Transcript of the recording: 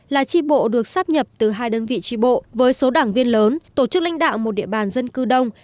là tri bộ được sắp nhập từ hai đơn vị trí bộ với số đảng viên lớn tổ chức lãnh đạo một địa bàn dân cư đông